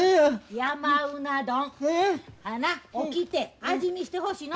山うな丼起きて味見してほしいの。